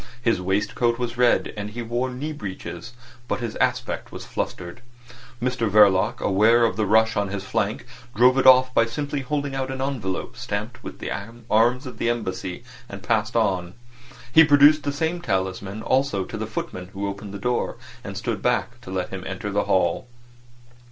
His waistcoat was red, and he wore knee breeches, but his aspect was flustered. Mr Verloc, aware of the rush on his flank, drove it off by simply holding out an envelope stamped with the arms of the Embassy, and passed on. He produced the same talisman also to the footman who opened the door, and stood back to let him enter the hall.